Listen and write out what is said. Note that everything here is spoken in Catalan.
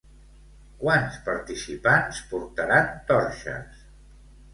Quants participants portaran torxes?